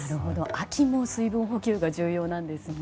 秋も水分補給が重要なんですね。